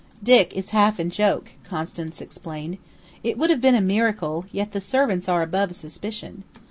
"Dick is half in joke," Constance explained. "It would have been a miracle, yet the servants are above suspicion.